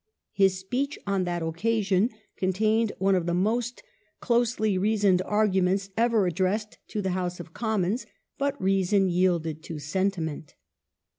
His speech on that occasion contained one of the most closely reasoned arguments ever addressed to the House of The Post Commons, but reason yielded to sentiment.